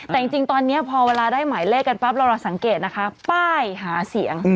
แต่จริงตอนนี้พอเวลาได้หมายเลขกันปั๊บเราสังเกตนะคะป้ายหาเสียง